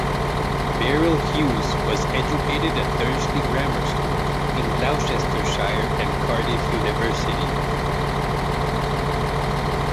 Beryl Hughes was educated at Dursley Grammar School in Gloucestershire and Cardiff University.